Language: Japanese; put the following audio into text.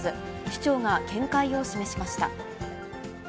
市長が見解を示しました。